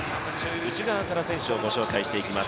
内側から選手をご紹介していきます。